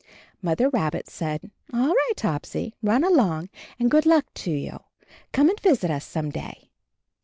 Mother Rabbit said, "All right, Topsy, run along, and good luck to you. Come and visit us some day."